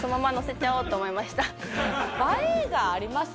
映えがありますね。